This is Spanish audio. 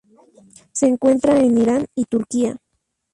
Se encuentra en Irán y Turquía.